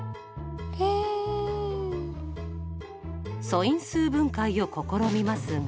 素因数分解を試みますが。